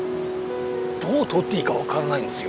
どう撮っていいか分からないんですよ